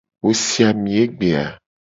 Wo si ami egbe a?